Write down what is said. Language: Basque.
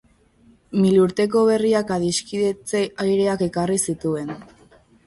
Milurteko berriak adiskidetze aireak ekarri zituen.